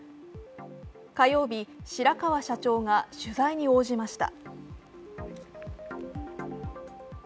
火曜日、白川社長が取材に応じました。